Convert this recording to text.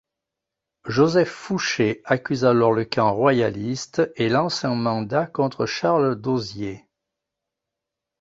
Joseph Fouché accuse alors le camp royaliste et lance un mandat contre Charles d'Hozier.